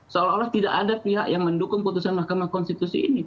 seolah olah tidak ada pihak yang mendukung putusan mahkamah konstitusi ini